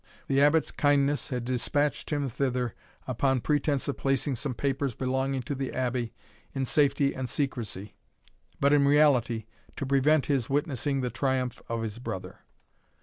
The Abbot's kindness had despatched him thither upon pretence of placing some papers belonging to the Abbey in safety and secrecy; but in reality to prevent his witnessing the triumph of his brother.